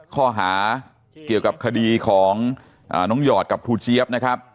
ข้อหาเกี่ยวกับคดีของน้องหยอดกับครูเจี๊ยบนะครับ